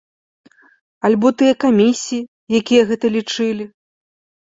Альбо тыя камісіі, якія гэта лічылі?